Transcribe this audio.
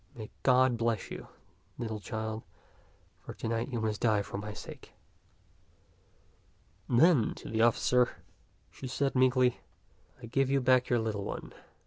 May God bless you, little child, for to night you must die for my sake." Then to the officer she said meekly, " I give you back your little one.